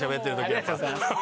ありがとうございます。